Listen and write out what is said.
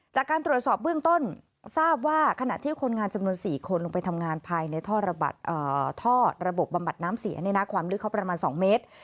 จากการตรวจสอบเบื้องต้นทราบว่าขณะที่คนงานจำนวน๔คนลงไปทำงานภายในท่อระบบบำบัดน้ำเสียความลึกเขาประมาณ๒เมตร